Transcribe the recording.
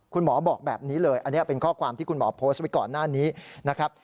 คุณหมอบอกแบบนี้เลยอันนี้เป็นข้อความที่คุณหมอโพสต์ไว้ก่อนหน้านี้นะครับ